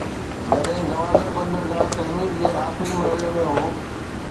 جڏهن گوادر بندرگاهه تعمير جي آخري مرحلي ۾ هو.